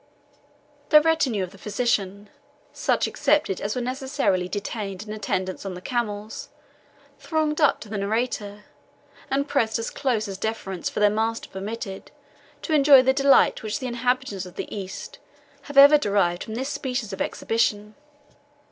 The retinue of the physician, such excepted as were necessarily detained in attendance on the camels, thronged up to the narrator, and pressed as close as deference for their master permitted, to enjoy the delight which the inhabitants of the East have ever derived from this species of exhibition.